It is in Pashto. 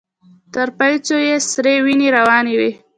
تر پايڅو يې سرې وينې روانې وې.